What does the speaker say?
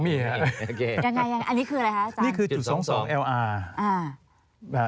ยังไงอันนี้คืออะไรครับอาจารย์